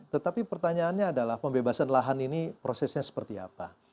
tetapi pertanyaannya adalah pembebasan lahan ini prosesnya seperti apa